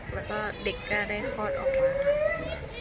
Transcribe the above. แล้วก็เด็กก็ได้คลอดออกมาค่ะ